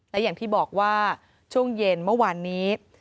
และอย่างที่บอกว่าช่วงเย็นเมื่อวานนี้